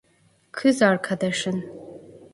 Kız arkadaşın.